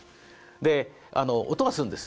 で音がするんです。